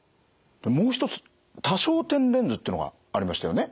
もう一つ多焦点レンズっていうのがありましたよね。